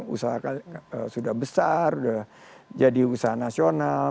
usaha sudah besar sudah jadi usaha nasional